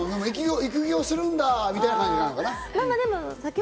育業するんだみたいな感じなのかな？